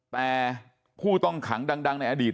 แต่ผู้ต้องขังดังในอดีต